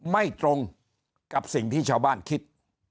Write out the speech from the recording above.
ไม่ตรงกับสิ่งที่ชาวบ้านคิด